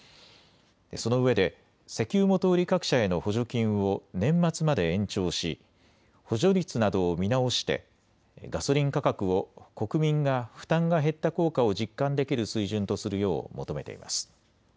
そのうえで石油元売り各社への補助金を年末まで延長し補助率などを見直してガソリン価格を国民が負担が減った効果を実感できる水準とするよう求めています。